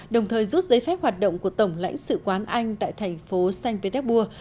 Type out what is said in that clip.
đồng thời rút giấy phép hoạt động của tổng lãnh sự quán anh tại thành phố saint petersburg